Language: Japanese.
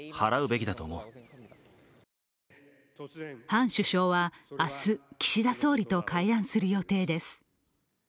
ハン首相は明日、岸田総理と会談する予定です。